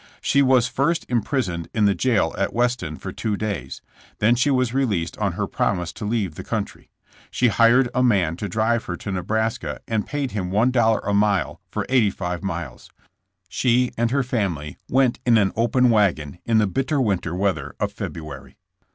She was first impris oned in the jail at Weston for two days. Then she was released on her promise to leave the country. She hired a man to drive her to Nebraska and paid him $1 a mile for eighty five miles. She and her family went in an open wagon in the bitter winter weather of February.